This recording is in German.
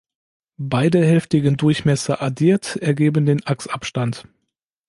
Beide hälftigen Durchmesser addiert ergeben den Achsabstand.